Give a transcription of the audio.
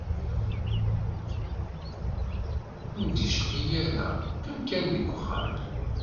Ur m-d-icqi ara, qqim kan deg uxxam.